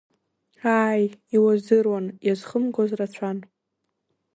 Ааи, иуазыруан, иазхымгоз рацәан…